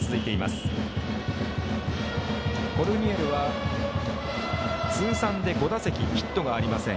コルニエルは通算で５打席、ヒットがありません。